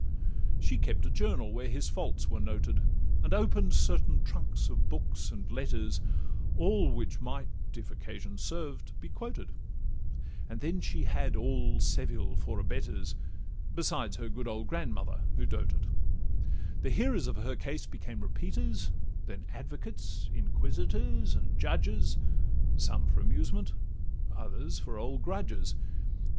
She kept a journal, where his faults were noted, And open'd certain trunks of books and letters, All which might, if occasion served, be quoted; And then she had all Seville for abettors, Besides her good old grandmother (who doted); The hearers of her case became repeaters, Then advocates, inquisitors, and judges, Some for amusement, others for old grudges.